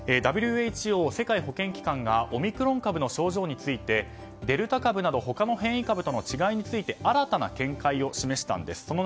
ＷＨＯ・世界保健機関がオミクロン株の症状についてデルタ株など他の変異株との違いについて新たな見解を示したんです。